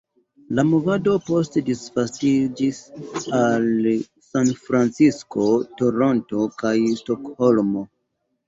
La movado poste disvastiĝis al Sanfrancisko, Toronto, kaj Stokholmo.